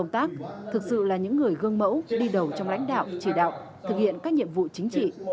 thực sự là những người gương mẫu đi đầu trong lãnh đạo chỉ đạo thực hiện các nhiệm vụ chính trị